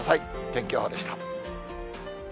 天気予報でした。